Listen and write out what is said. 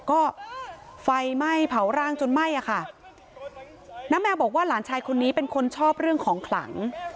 ก็ไฟไหม้เผาร่างจนไหม้อะค่ะน้าแมวบอกว่าหลานชายคนนี้เป็นคนชอบเรื่องของขลัง